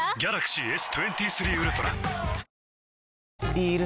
ビール